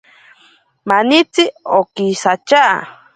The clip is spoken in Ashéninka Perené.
Manitsi okisatya.